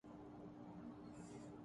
ہم نے تو پہلے ہی کہہ دیا تھا۔